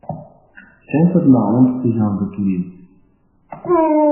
C'est un peu la honte ce genre de tourisme.